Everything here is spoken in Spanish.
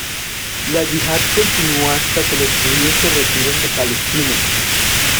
La yihad continúa hasta que los judíos se retiren de Palestina.